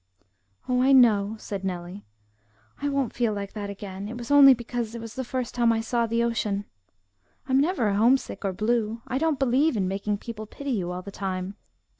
"Oh, I know," said Nellie. "I won't feel like that again. It was only because it was the first time I saw the ocean. I'm never homesick or blue. I don't believe in making people pity you all the time."